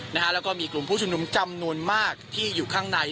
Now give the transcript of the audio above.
แล้วก็มีกลุ่มผู้ชุมนุมจำนวนมากที่อยู่ข้างใน